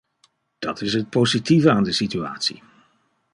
Dat is het positieve aan de situatie.